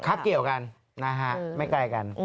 ไม่ไกลกัน